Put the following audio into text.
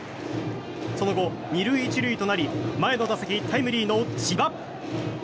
その後、２塁１塁となり前の打席、タイムリーの千葉。